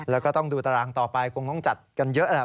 แล้วก็ต้องดูตารางต่อไปคงต้องจัดกันเยอะแหละ